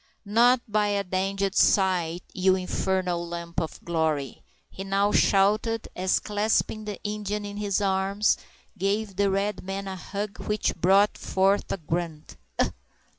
"Not by a danged sight, you infernal lump of glory!" he now shouted, as, clasping the Indian in his arms, he gave the red man a hug which brought forth a grunt.